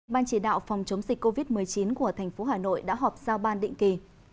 ban chỉ đạo phòng chống dịch covid một mươi chín của thành phố hà nội đã họp giao ban định kỳ